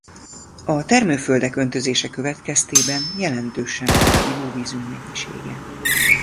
A termőföldek öntözése következtében jelentősen fogy ivóvizünk mennyisége.